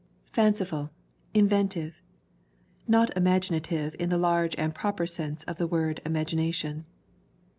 Fanciful, inventive not imaginative in the large and proper sense of the word imagination.